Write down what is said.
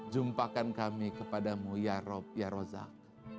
jumpakan kami kepadamu ya rob ya rozak